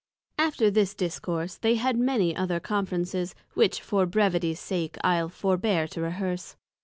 After this Discourse, they had many other Conferences, which for brevity's sake I'le forbear to rehearse.